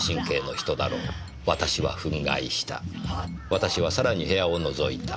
「私はさらに部屋をのぞいた。